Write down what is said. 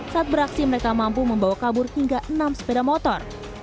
saat beraksi mereka mampu membawa kabur hingga enam sepeda motor